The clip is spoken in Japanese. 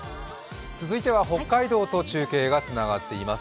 続いては北海道と中継がつながっています。